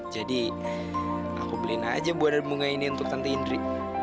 jadi aku beliin aja buah dan bunga ini untuk tante indri